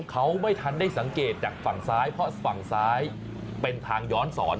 เขาไม่ทันได้สังเกตจากฝั่งซ้ายเพราะฝั่งซ้ายเป็นทางย้อนสอน